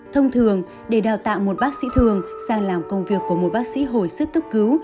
thông thường để đào tạo một bác sĩ thường sang làm công việc của một bác sĩ hồi sức cấp cứu